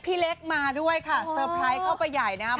พี่เล็กมาด้วยค่ะเซอร์ไพรส์เข้าไปใหญ่นะครับ